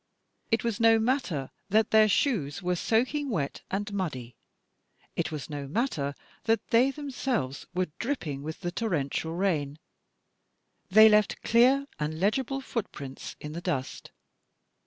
It was no matter that their shoes were soak l82 THE TECHNIQUE OF THE MYSTERY STORY ing wet and muddy; it was no matter that they themselves were dripping with the torrential rain; they left clear and legible footprints in the dust.